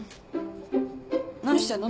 何してんの？